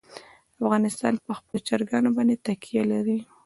افغانستان په خپلو چرګانو باندې تکیه لري.